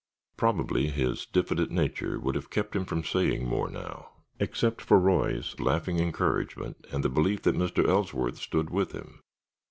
Probably, his diffident nature would have kept him from saying more now except for Roy's laughing encouragement and the belief that Mr. Ellsworth stood with him.